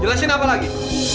jelasin apa lagi